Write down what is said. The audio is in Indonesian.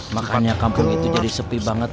makanya kampung itu jadi sepi banget